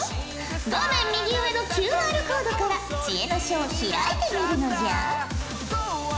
画面右上のＱＲコードから知恵の書を開いてみるのじゃ。